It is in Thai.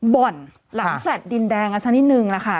บ่นหลังแฟลดดินแดงอาจารย์นิดนึงนะคะ